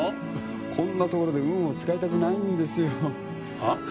こんなところで運を使いたくないんですよはあ？